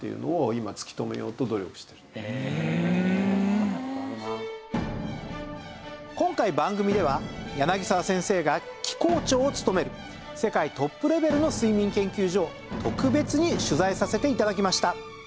この水に当たるものだんだん今回番組では柳沢先生が機構長を務める世界トップレベルの睡眠研究所を特別に取材させて頂きました。